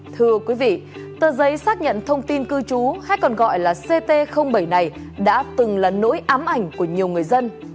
thưa quý vị tờ giấy xác nhận thông tin cư trú hay còn gọi là ct bảy này đã từng là nỗi ám ảnh của nhiều người dân